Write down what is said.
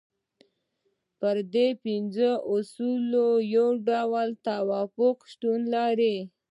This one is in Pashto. پر دې پنځو اصولو یو ډول توافق شتون لري.